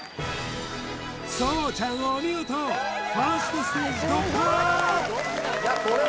そうちゃんお見事ファーストステージ突破！